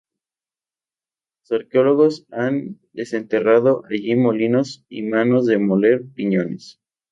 Los arqueólogos han desenterrado allí molinos y manos de moler piñones.